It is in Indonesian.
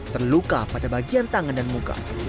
terluka pada bagian tangan dan muka